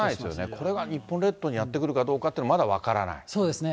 これが日本列島にやって来るかどうかっていうのはまだ分からないそうですね。